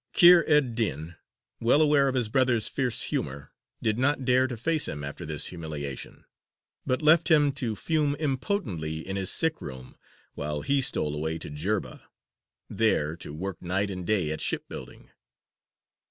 Kheyr ed dīn, well aware of his brother's fierce humour, did not dare to face him after this humiliation, but left him to fume impotently in his sickroom, while he stole away to Jerba, there to work night and day at shipbuilding.